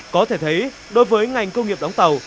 có thể thấy đối với ngành công nghiệp đóng tàu